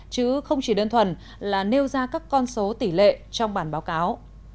chứ không chỉ đơn thuần là nêu ra các con số tỷ lệ trong bản báo cáo